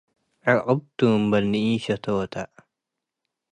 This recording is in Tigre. ዕቅብቱ እምበል ንኢሸቶተ